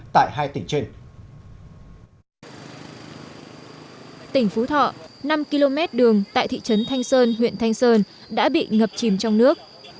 tỉnh phú thọ năm km đường tại thị trấn thanh sơn huyện thanh sơn đã bị ngập chìm trong nước